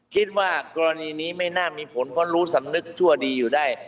คิดว่ากรณีนี้ไม่น่ามีผลเพราะรู้สำนึกชั่วดีอยู่ได้